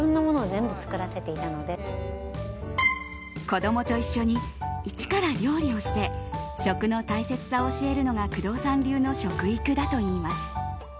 子供と一緒にイチから料理をして食の大切さを教えるのが工藤さん流の食育だといいます。